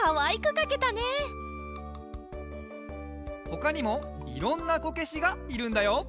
ほかにもいろんなこけしがいるんだよ。